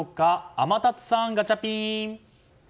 天達さん、ガチャピン。